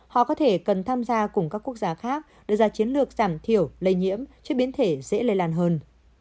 họ có thể cần tham gia cùng các quốc gia khác đưa ra chiến lược giảm thiểu lây nhiễm cho biến thể dễ lây lan hơn